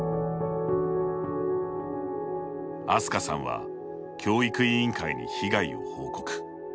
あすかさんは教育委員会に被害を報告。